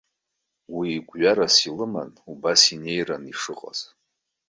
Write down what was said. Уи гәҩарас илыман убас инеираны ишыҟаз.